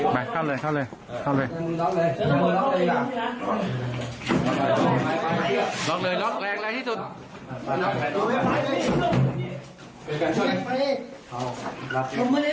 ไปข้ามเลย